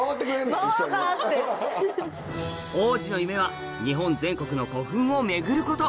王子の夢は日本全国の古墳を巡ること